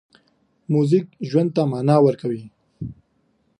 موزیک ژوند ته مانا ورکوي.